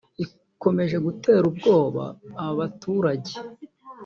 Igikomeje gutera ubwoba aba baturage